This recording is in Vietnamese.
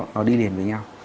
nó đi liền với nhau